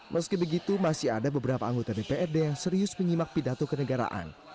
meski begitu masih ada beberapa anggota dprd yang serius menyimak pidato kenegaraan